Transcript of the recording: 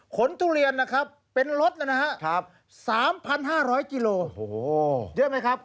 ทุเรียนนะครับเป็นรถนะฮะ๓๕๐๐กิโลเยอะไหมครับ